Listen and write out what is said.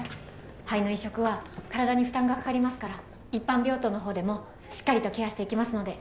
肺の移植は体に負担がかかりますから一般病棟のほうでもしっかりとケアしていきますので・